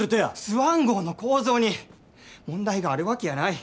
スワン号の構造に問題があるわけやない。